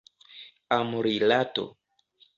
Amrilato.